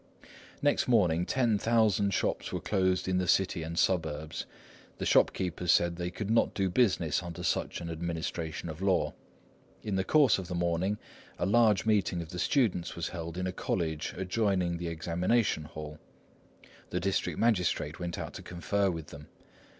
Next morning ten thousand shops were closed in the city and suburbs. The shopkeepers said they could not do business under such an administration of law. In the course of the morning a large meeting of the students was held in a college adjoining the examination hall. The district magistrate went out to confer with them.